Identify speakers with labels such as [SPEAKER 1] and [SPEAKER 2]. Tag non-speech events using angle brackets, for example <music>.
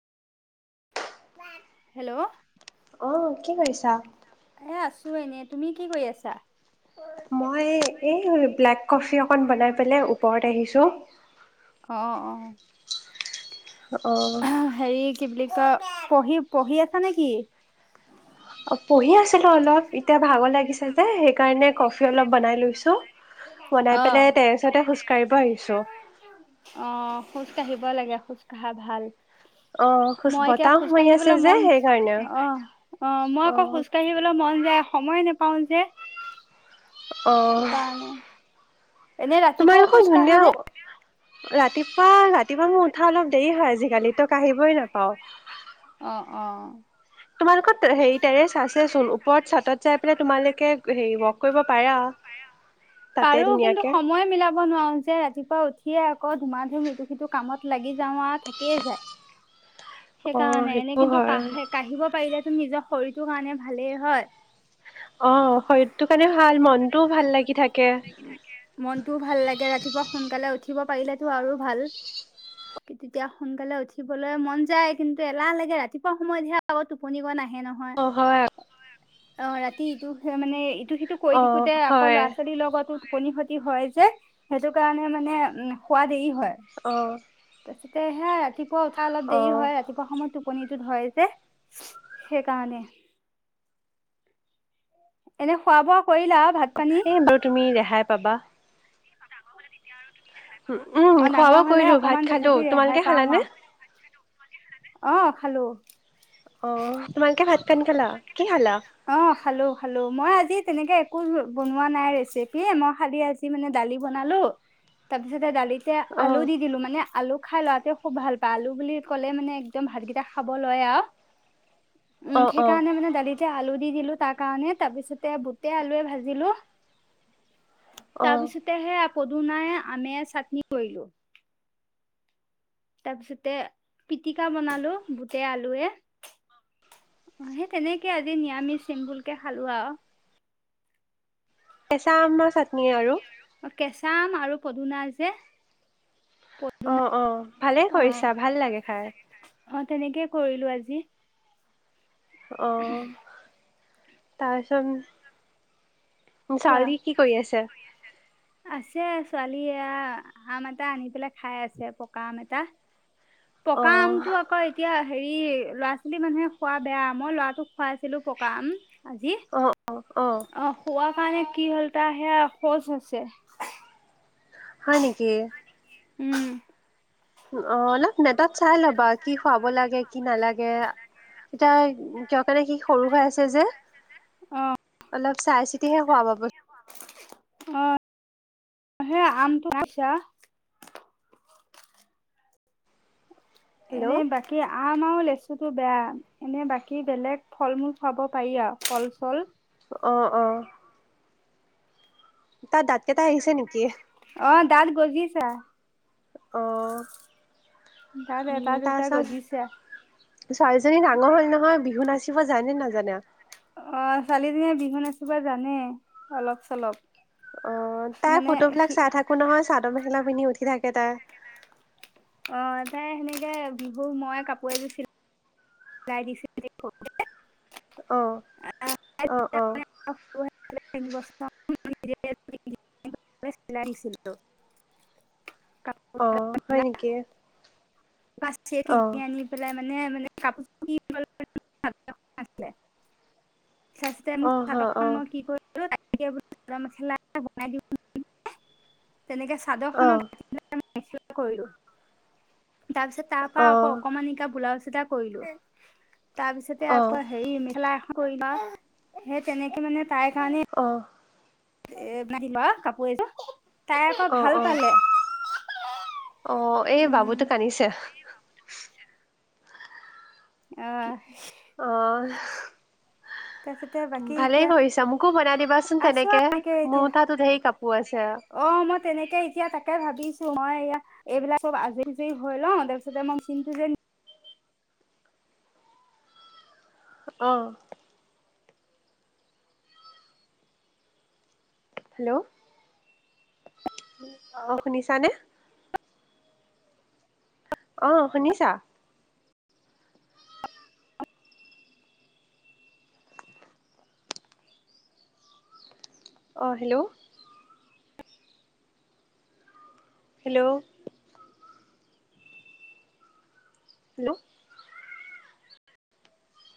[SPEAKER 1] Hello
[SPEAKER 2] অ কি কৰিছা
[SPEAKER 1] এ আছো এনে তুমি কি কৰি আছা
[SPEAKER 2] মই এই ব্লেক কফি অকণ বনাই পেলাই ওপৰত আহিছোঁ
[SPEAKER 1] অ হেৰি কি বুলি কয় পঢ়ি- পঢ়ি আছা নেকি?
[SPEAKER 2] অ' পঢ়ি আছিলোঁ অলপ। এতিয়া ভাগৰ লাগিছে যে কাৰণে কফি অলপ বনাই লৈছোঁ। বনাই
[SPEAKER 1] অ
[SPEAKER 2] পেলাই তেৰেছতে খোজ কাঢ়িব আহিছোঁ।
[SPEAKER 1] অ খোজ কাঢ়িব লাগে। খোজ কাঢ়া ভাল।
[SPEAKER 2] অ খোজ
[SPEAKER 1] মই এতিয়া
[SPEAKER 2] বতাহ
[SPEAKER 1] খোজ
[SPEAKER 2] হৈ আছে
[SPEAKER 1] কাঢ়িবলৈ
[SPEAKER 2] যে
[SPEAKER 1] মন-
[SPEAKER 2] সেইকাৰণে
[SPEAKER 1] অ'। অ', মই আকৌ খোজ কাঢ়িবলৈ মন যায়। সময়ে নেপাওঁ যে। হয়
[SPEAKER 2] অ'।
[SPEAKER 1] এনে
[SPEAKER 2] তোমাৰ
[SPEAKER 1] ৰাতিপুৱাও
[SPEAKER 2] দেখোন
[SPEAKER 1] খোজ
[SPEAKER 2] ধুনীয়া
[SPEAKER 1] কাঢ়া নে?
[SPEAKER 2] ৰাতিপুৱা শুই উঠা অলপ দেৰি হয় আজিকালি। তো কাঢ়িবই
[SPEAKER 1] অ
[SPEAKER 2] নাপাওঁ।
[SPEAKER 1] অ
[SPEAKER 2] তোমালোকত- হেৰি টেৰেছ আছেচোন। ওপৰত চাটত যাই পেলাই তোমালোকে হেৰি ৱ'ক কৰিব পাৰা। তাতে
[SPEAKER 1] পাৰো কিন্তু
[SPEAKER 2] ধুনীয়াকে।
[SPEAKER 1] ঠিয়ে আকৌ ধুমা-ধুম ইটো-সিটো কামত লাগি যাওঁ আ থাকিয়ে যায়।
[SPEAKER 2] অ
[SPEAKER 1] সেইকাৰণে। এনেই
[SPEAKER 2] সেইটো
[SPEAKER 1] কিন্তু
[SPEAKER 2] হয়
[SPEAKER 1] কাহ- কাঢ়িব পাৰিলে নিজৰ শৰীৰটোৰ কাৰণে ভালেই হয়।
[SPEAKER 2] অ' শৰীৰটোৰ কাৰণে ভাল। মনটোও ভাল লাগি থাকে।
[SPEAKER 1] মনটোও ভাল লাগে ৰাতিপুৱা সোনকালে উঠিব পাৰিলেতো আৰু ভাল। কি তেতিয়া সোনকালে উঠিবলৈ মন যায়, কিন্তু এলাহ লাগে। ৰাতিপুৱা সময়ত হে আৰু <unintelligible> হে নহয়।
[SPEAKER 2] অ হয়
[SPEAKER 1] অ' ৰাতি ইটো সেই মানে ইটো-সিটো কৰি
[SPEAKER 2] অ
[SPEAKER 1] থাকোঁতে আকৌ
[SPEAKER 2] হয়
[SPEAKER 1] ল'ৰা ছোৱালীৰ লগতো টোপনি খতি হয় যে। সেইটোৰ কাৰণে মানে উম শুৱা দেৰি হয়।
[SPEAKER 2] অ
[SPEAKER 1] তাৰপিছত তে সেয়া ৰাতি পুৱা উঠা অলপ
[SPEAKER 2] অ
[SPEAKER 1] দেৰি হয়। ৰাতিপুৱা সময়ত টো পনিটো ধৰে যে। সেইকাৰণে। এনে খোৱা-বোৱা কৰিলা? ভাত-পানী?
[SPEAKER 2] এই বাৰু তুমি ৰেহাই পাবা।
[SPEAKER 1] ডাঙৰ হ'লে তেতিয়া আৰু
[SPEAKER 2] উম
[SPEAKER 1] তো
[SPEAKER 2] উম
[SPEAKER 1] অ'
[SPEAKER 2] খোৱা
[SPEAKER 1] ডাঙৰ
[SPEAKER 2] বোৱা
[SPEAKER 1] হ'লে
[SPEAKER 2] কৰিলো ভাত
[SPEAKER 1] অকমান
[SPEAKER 2] খালো
[SPEAKER 1] তথাপি
[SPEAKER 2] তোমালোকে
[SPEAKER 1] ৰেহাই পাম
[SPEAKER 2] খালানে
[SPEAKER 1] আৰু। অ' খালোঁ।
[SPEAKER 2] কেন খালা? কি খালা
[SPEAKER 1] অ খালো, খালো মই আজি তেনেকে একো বনোৱা নাই, ৰেচিপি মই খালি আজি মানে দালি বনালো, তাৰপিছতে দালিত এতিয়া
[SPEAKER 2] অ
[SPEAKER 1] আলু দি দিলো মানে, আলু খাই লৰাটোৱে খুব ভাল পায়, আলু বুলি ক'লে মানে একদম ভাতকেইটা খাব লয় আৰু। উম,
[SPEAKER 2] অ অ
[SPEAKER 1] সেইকাৰণে মানে দালিত আলু দি দিলো, তাৰ কাৰণে তাৰ পিছতে বুটেই আলুৱে ভাজিলো।
[SPEAKER 2] অ
[SPEAKER 1] তাৰপিছতেহে আ পদুনাই আমে চাটনি কৰিলো। তাৰপিছতে পিটিকা বনালো, বুটে আলুৱে, সেই তেনেকে আজি নিৰামিষ চিমপুলকে খালো আৰু।
[SPEAKER 2] কেঁচা আমৰ চাটনি আৰু।
[SPEAKER 1] কেঁচা আম আৰু পদুনা যে
[SPEAKER 2] অ, অ। ভালে
[SPEAKER 1] অ',
[SPEAKER 2] কৰিছা, ভাল লাগে খাই।
[SPEAKER 1] অ, তেনেকেই কৰিলো আজি।
[SPEAKER 2] অহ। তাৰপিছত।
[SPEAKER 1] কোৱা
[SPEAKER 2] ছোৱালী কি কৰি আছে?
[SPEAKER 1] ছোৱালীয়ে এইয়া আম এটা আনি পেলাই খাই আছে, পকা আম এটা।
[SPEAKER 2] অ
[SPEAKER 1] পকা আমটো আকৌ এতিয়া হেৰি ল'ৰা -ছোৱালী মানুহে খোৱা বেয়া মই ল'ৰাটোক খুৱাই আছিলো পকা আম। আজি
[SPEAKER 2] অ, অ, অ।
[SPEAKER 1] কাৰণে কি হ'ল তাৰ সেইয়া শৌচ হৈছে।
[SPEAKER 2] হয় নেকি?
[SPEAKER 1] উম।
[SPEAKER 2] অ, অলপ নেটত চাই ল'বা কি খুৱাব লাগে। কি নালাগে। এতিয়া উ কিয়, কাৰণে সি সৰু হৈ আছে যে অলপ। চাই চিতিহে খোৱাবা বস্তু।
[SPEAKER 1] অ, সেই আমটো আছা?
[SPEAKER 2] হেল্ল'
[SPEAKER 1] এনে, বাকি আম আৰু লেচু বস্তুতো বেয়া, এনে বাকী বেলেগ ফল মূল খাব পাৰি আৰু ফল চল।
[SPEAKER 2] অহ অহ। আহিছে নেকি
[SPEAKER 1] অ, দাত গজিছে।
[SPEAKER 2] অঁ।
[SPEAKER 1] দাঁত এটা
[SPEAKER 2] উম্ তাৰ
[SPEAKER 1] দুটা গজিছে
[SPEAKER 2] পিছত ছোৱালীজনী ডাঙৰ হল নহয় বিহু নাচি। কিবা জানে নাজানো?
[SPEAKER 1] অ ছোৱালীজনীয়ে বিহু নাচিব জানে অলপ চলপ।
[SPEAKER 2] অ, তাই
[SPEAKER 1] মানে
[SPEAKER 2] ফটো বিলাক
[SPEAKER 1] সি
[SPEAKER 2] চাই থাকো নহয় চাদৰ মেখেলা। পিন্ধি উঠি থাকে তাই।
[SPEAKER 1] অ তাই সেনেকে বিহু মই কাপোৰ এযোৰ চিলাই। চিলাই দিছিলো সৰুতে।
[SPEAKER 2] আহ অ অ।
[SPEAKER 1] তিনি বছৰ মানতে বিহু নাচিবলৈ চিলাই দিছিলো।
[SPEAKER 2] অ হয় নেকি।
[SPEAKER 1] পচ টিয়ে
[SPEAKER 2] অ
[SPEAKER 1] কিনি আনি পেলায়। মানে মানে। <unintelligible> চাচিদে
[SPEAKER 2] অ
[SPEAKER 1] মোৰ
[SPEAKER 2] হয় অ
[SPEAKER 1] চাদৰখন মই কি কৰি। <unintelligible> উ তাকে বোলো মেখেলা এ বনাই দিওঁ নে? <unintelligible> তেনেকে চাদৰ
[SPEAKER 2] অ
[SPEAKER 1] খনত এখিলা মান। এচকেপ কৰিলো। <unintelligible> তাৰ পিছত তাৰ
[SPEAKER 2] অ
[SPEAKER 1] পৰা আকৌ
[SPEAKER 2] অ
[SPEAKER 1] অকনমান নিকা বোলাওজ। কৰিলো। তাৰপিছতে
[SPEAKER 2] অ
[SPEAKER 1] আকৌ হেৰি মেখেলা। সেই তেনেকে মানে। তাই কাৰণে। এ নাতিব লোৱা কাপোৰ এযোৰ। <unintelligible> তাই আকৌ
[SPEAKER 2] অ
[SPEAKER 1] ভাল
[SPEAKER 2] অ
[SPEAKER 1] পালে।
[SPEAKER 2] অ এই
[SPEAKER 1] উম
[SPEAKER 2] বাবুটো কান্দিছে।
[SPEAKER 1] আহ।
[SPEAKER 2] অঁ।
[SPEAKER 1] তাৰপিছতে বাকী
[SPEAKER 2] ভালেই
[SPEAKER 1] এতিয়া
[SPEAKER 2] কৰিছা মোকো বনাই দিবাচোন
[SPEAKER 1] আছো
[SPEAKER 2] তেনেকে,
[SPEAKER 1] আৰু এনেকে এতিয়া
[SPEAKER 2] মোৰ তাতো ধেৰ কাপোৰ আছে।
[SPEAKER 1] অ মই তেনেকে এতিয়া তাকে ভাবিছো, মই এইয়া এইবিলাক চব আজৰি আজৰি হৈ লওঁ তাৰপিছতে মই চিনটো যে।
[SPEAKER 2] আহ। হেল্ল'। অ শুনিছানে? অ শুনিছা? অ হেল্ল'। হেল্ল'। হেল্ল'।